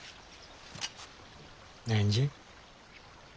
何じゃい？